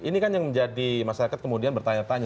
ini kan yang menjadi masyarakat kemudian bertanya tanya